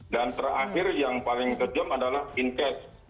dan terakhir yang paling kejam adalah fintech